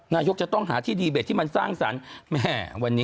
นายกจะต้องหาที่ดีเบตที่มันสร้างสรรค์